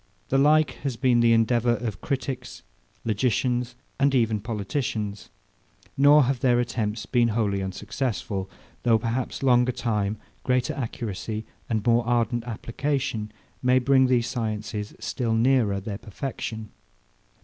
The like has been the endeavour of critics, logicians, and even politicians: Nor have their attempts been wholly unsuccessful; though perhaps longer time, greater accuracy, and more ardent application may bring these sciences still nearer their perfection.